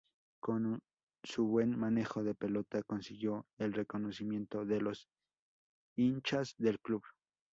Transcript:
Con su buen manejo de pelota, consiguió el reconocimiento de los hinchas del Club.